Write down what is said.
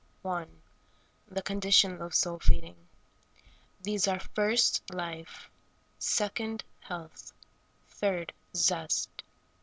I. The conditions of soul feeding. These are — first, life ; second, health ; third, zest.